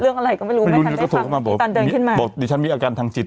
เรื่องอะไรก็ไม่รู้ไม่ได้ฟังพี่ตาร์มเดินขึ้นมาบอกดิฉันมีอาการทางจิต